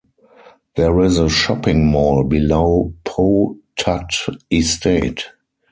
There is a shopping mall below Po Tat Estate.